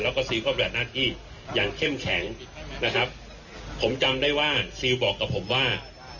แล้วก็ซิลก็แบบหน้าที่อย่างเข้มแข็งนะครับผมจำได้ว่าซิลบอกกับผมว่า